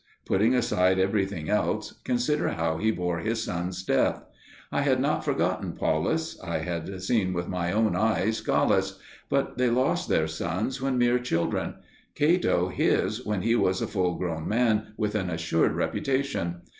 Putting aside everything else, consider how he bore his son's death! I had not forgotten Paulus; I had seen with my own eyes Gallus. But they lost their sons when mere children; Cato his when he was a full grown man with an assured reputation.